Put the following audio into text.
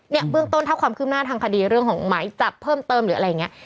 เบื้องต้นถ้าความคืบหน้าทางคดีเรื่องของหมายจับเพิ่มเติมหรืออะไรอย่างนี้